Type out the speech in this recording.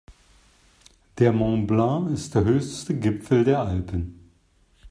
Der Mont Blanc ist der höchste Gipfel der Alpen.